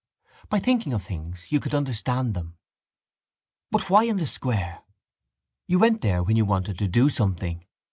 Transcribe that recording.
_ By thinking of things you could understand them. But why in the square? You went there when you wanted to do something.